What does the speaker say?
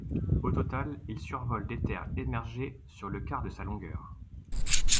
Au total, il survole des terres émergées sur le quart de sa longueur.